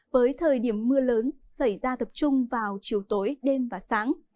với thời điểm mưa lớn xảy ra tập trung vào chiều tối đêm và sáng